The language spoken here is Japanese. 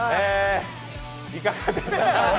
いかがでしたか？